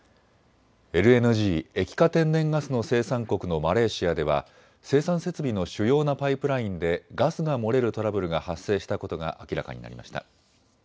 ＬＮＧ・液化天然ガスの生産国のマレーシアでは生産設備の主要なパイプラインでガスが漏れるトラブルが発生したことが明らかになりました。